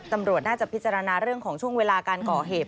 ตำรวจน่าจะพิจารณาเรื่องของช่วงเวลาการก่อเหตุ